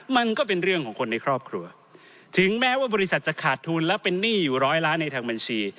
มันก็เป็นเรื่องของคนในครอบครัวถึงแม้ว่าบริษัทจะขาดทุนและเป็นหนี้อยู่ร้อยล้านในทางบัญชี